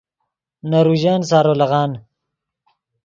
نے روژن سارو لیغان